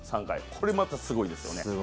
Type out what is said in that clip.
これまたすごいですよね。